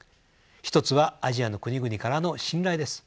１つはアジアの国々からの信頼です。